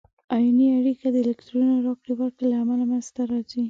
آیوني اړیکه د الکترونونو راکړې ورکړې له امله منځ ته راځي.